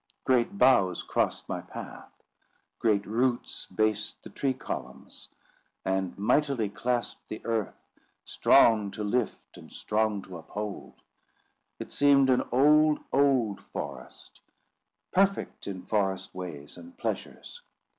Great boughs crossed my path; great roots based the tree columns, and mightily clasped the earth, strong to lift and strong to uphold. It seemed an old, old forest, perfect in forest ways and pleasures.